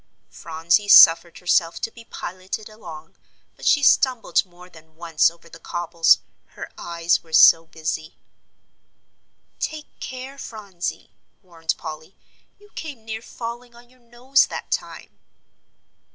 Phronsie suffered herself to be piloted along, but she stumbled more than once over the cobbles, her eyes were so busy. "Take care, Phronsie," warned Polly, "you came near falling on your nose that time."